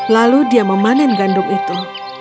lalu dia memanen gandum itu